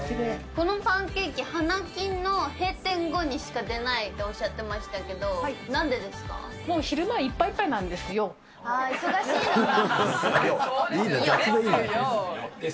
このパンケーキ、花金の閉店後にしか出ないとおっしゃってましたけど、なんでですもう昼間、いっぱいいっぱい忙しいんだ。ですよ。ですよ。